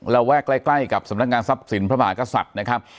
ระแวกใกล้กับสำนักงานทรัพย์สินพระมหากษัตริย์นะครับ